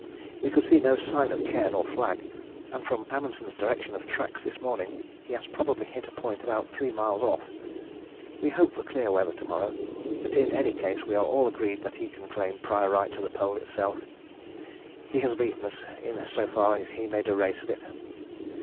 We could see no sign of cairn or flag, and from Amundsen's direction of tracks this morning he has probably hit a point about 3 miles off. We hope for clear weather to morrow, but in any case are all agreed that he can claim prior right to the Pole itself. He has beaten us in so far as he made a race of it.